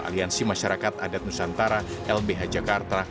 aliansi masyarakat adat nusantara lbh jakarta